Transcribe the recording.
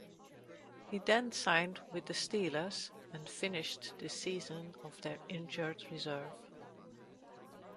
He then signed with the Steelers and finished the season on their injured reserve.